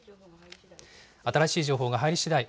新しい情報が入りしだい